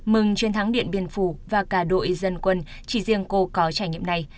mừng chiến thắng điện biên phủ và cả đội dân quân chỉ riêng cô có trải nghiệm này